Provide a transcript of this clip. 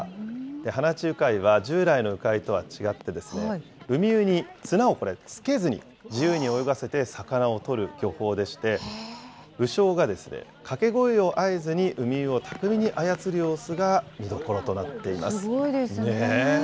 放ち鵜飼は従来の鵜飼とは違ってですね、ウミウに綱をつけずに自由に泳がせて魚を取る漁法でして、鵜匠が掛け声を合図にウミウを巧みに操る様子が見どころとなってすごいですね。